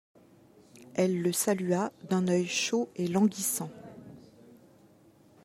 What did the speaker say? Elle le salua d'un œil chaud et languissant.